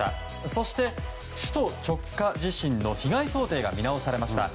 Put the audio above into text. そして、首都直下地震の被害想定が見直されました。